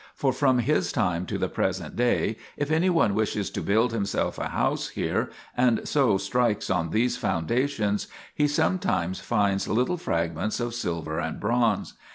For from his time to the present day if any one wishes to build himself a house here, and so strikes on these foundations, he sometimes finds little fragments of silver and bronze.